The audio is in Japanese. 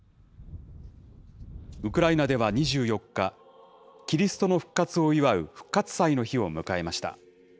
ウクライナでは２４日、キリストの復活を祝う復活祭の日を迎えました。